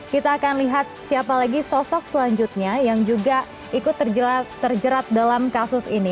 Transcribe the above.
kita akan lihat siapa lagi sosok selanjutnya yang juga ikut terjerat dalam kasus ini